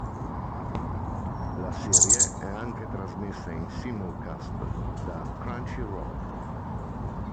La serie è anche trasmessa in simulcast da Crunchyroll.